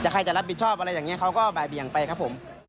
ใครจะรับผิดชอบอะไรอย่างนี้เขาก็บ่ายเบี่ยงไปครับผม